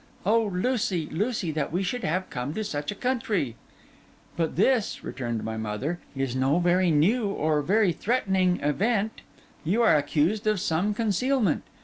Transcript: Oh, Lucy, Lucy, that we should have come to such a country!' 'But this,' returned my mother, 'is no very new or very threatening event. You are accused of some concealment.